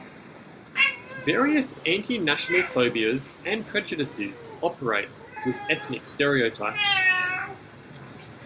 Various anti-national phobias and prejudices operate with ethnic stereotypes.